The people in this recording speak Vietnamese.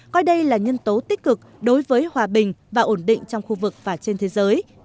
coi đây là nhân tố tích cực đối với hòa bình và ổn định trong khu vực và trên thế giới